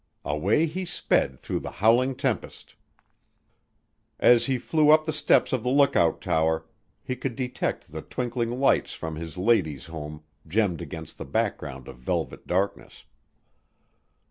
Away he sped through the howling tempest. As he flew up the steps of the lookout tower, he could detect the twinkling lights from his lady's home gemmed against the background of velvet darkness.